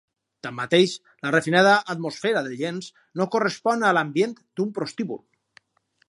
Tanmateix, la refinada atmosfera del llenç no correspon a l’ambient d'un prostíbul.